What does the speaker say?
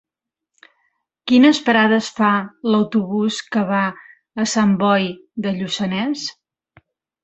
Quines parades fa l'autobús que va a Sant Boi de Lluçanès?